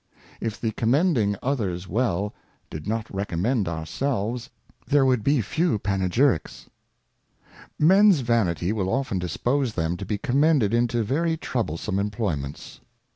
If the commending others well, did not recommend ourselves, there would be few Panegyricks. Mens Vanity will often dispose them to be commended into very troublesome Employments.